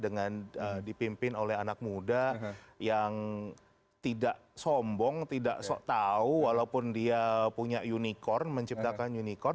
dan dipimpin oleh anak muda yang tidak sombong tidak tau walaupun dia punya unicorn menciptakan unicorn